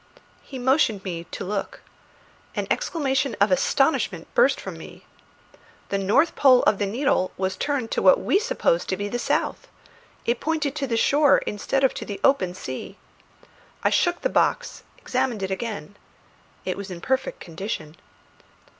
He motioned to me to look. An exclamation of astonishment burst from me. The north pole of the needle was turned to what we supposed to be the south. It pointed to the shore instead of to the open sea! I shook the box, examined it again, it was in perfect condition.